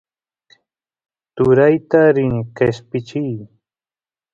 turayta rini qeshpichiy